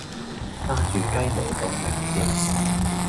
揸住雞毛當令箭